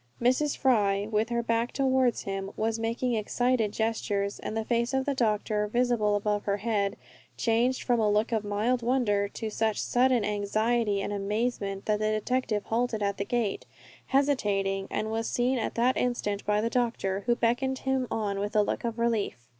Mrs. Fry, with her back towards him, was making excited gestures, and the face of the doctor, visible above her head, changed from a look of mild wonder to such sudden anxiety and amazement that the detective halted at the gate, hesitating, and was seen at that instant by the doctor, who beckoned him on with a look of relief.